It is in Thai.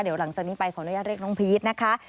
เดี๋ยวหลังจากนี้ไปของรายละเอียดเรียกน้องพีชนะคะ